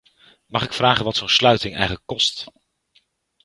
Mag ik vragen wat zo'n sluiting eigenlijk kost?